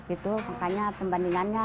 itu makanya pembandingannya